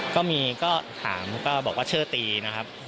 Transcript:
ก็ถามบอกว่าเชื่อตีนะครับ